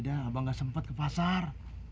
dah abang gak sempet ke pasar